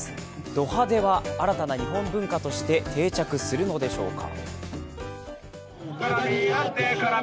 ド派手は新たな日本文化として定着するのでしょうか？